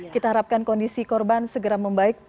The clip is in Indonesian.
kita harapkan kondisi korban segera membaik